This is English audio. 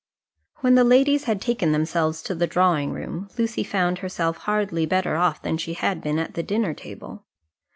When the ladies had taken themselves to the drawing room Lucy found herself hardly better off than she had been at the dinner table.